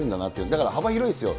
だから幅広いですよ。